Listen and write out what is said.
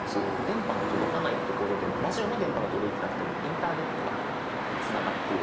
電波の届かない所でもラジオの電波が届いてなくてもインターネットがつながっていれば聴けたりしますので。